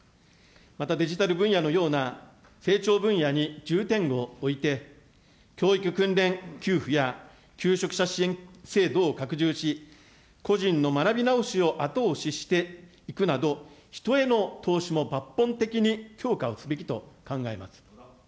またデジタル分野のような、成長分野に重点を置いて教育訓練給付や、求職者支援制度を拡充し、個人の学び直しを後押ししていくなど、人への投資も抜本的に強化をすべきと考えます。